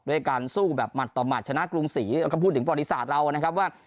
ด้วยการสู้แบบหัดต่อหมัดชนะกรุงศรีแล้วก็พูดถึงประวัติศาสตร์เรานะครับว่า